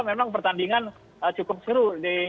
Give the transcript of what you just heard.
memang pertandingan cukup seru